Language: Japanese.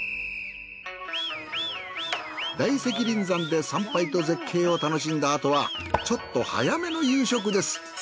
大石林山で参拝と絶景を楽しんだあとはちょっと早めの夕食です。